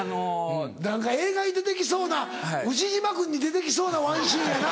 何か映画に出て来そうな『ウシジマくん』に出て来そうなワンシーンやな。